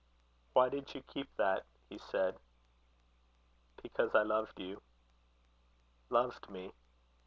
"Why did you keep that?" he said. "Because I loved you." "Loved me?"